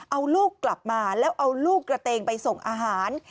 เอาลูกกลับมาแล้วเอาลูกกระเตงไปส่งอาหาร